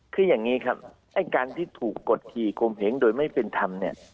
คืออย่างนี้ครับไอ้การที่ถูกกดขี่คมเหงโดยไม่เป็นธรรมเนี่ย